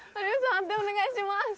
判定お願いします。